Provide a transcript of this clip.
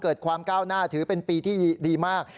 เกิดความก้าวหน้าถือเป็นปีที่ดีมาก